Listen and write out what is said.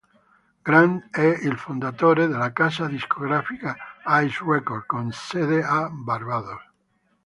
Grant è il fondatore della casa discografica Ice Records, con sede a Barbados.